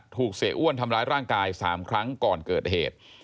เสียอ้วนทำร้ายร่างกาย๓ครั้งก่อนเกิดเหตุ